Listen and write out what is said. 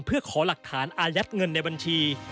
เพื่อขอหลักฐานอายัดเงินในบัญชี